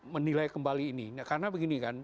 menilai kembali ini karena begini kan